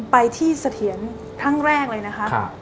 ไปที่เสถียรครั้งแรกเลยนะคะ